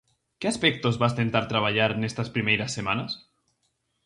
Que aspectos vas tentar traballar nestas primeiras semanas?